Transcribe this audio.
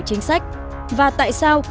chính sách và tại sao